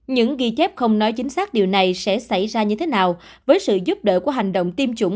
những ghi chép không nói chính xác điều này sẽ xảy ra như thế nào với sự giúp đỡ của hành động tiêm chủng